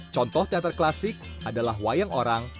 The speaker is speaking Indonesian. contoh teater klasik adalah wayang orang